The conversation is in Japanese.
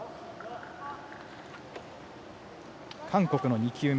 韓国の２球目。